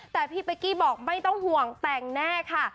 แต่พี่เป๊กกี้บอกไม่ต้องห่วงแต่งแน่ค่ะ